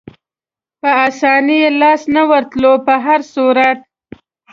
په اسانۍ یې لاسته نه ورتلو، په هر صورت.